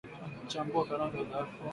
Chambua karanga zako